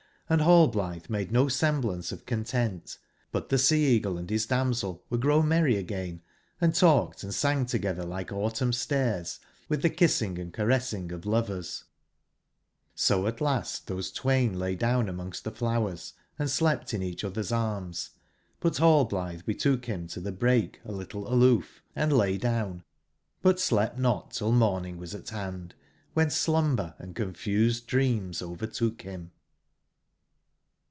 Hnd Hallblitbe made no semblance of con tent: but tbe Sea/eagle and bis damsel were grown merry again, and talked and sang togetber like au tumn stares, witb tbe kissing and caressingof lov ersj(^So at last tbose twain lay down amongst tbc flowers, and slept in eacb otber's arms; but Hall blitbe betook bim to tbe brake a little aloof, and lay down, but slept not till morning was at band, wben slumber and confused dreams overtook bim.